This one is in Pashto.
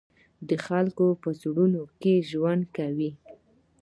د خلقو پۀ زړونو کښې ژوند کوي،